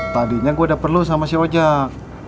tadinya gue udah perlu sama si ojek